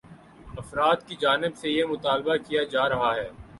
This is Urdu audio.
افراد کی جانب سے یہ مطالبہ کیا جا رہا ہے